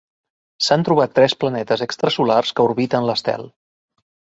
S'han trobat tres planetes extrasolars que orbiten l'estel.